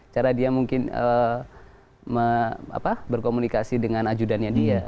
cara dia mungkin berkomunikasi dengan ajudannya dia